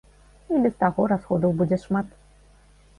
І без таго расходаў будзе шмат.